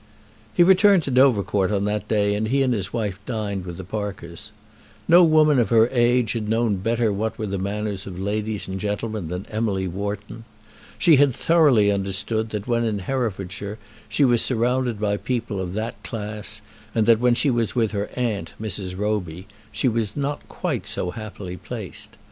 He returned to Dovercourt on that day, and he and his wife dined with the Parkers. No woman of her age had known better what were the manners of ladies and gentlemen than Emily Wharton. She had thoroughly understood that when in Herefordshire she was surrounded by people of that class, and that when she was with her aunt, Mrs. Roby, she was not quite so happily placed.